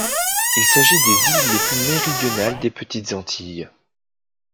Il s'agit des îles les plus méridionales des Petites Antilles.